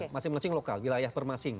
masing masing lokal wilayah permasing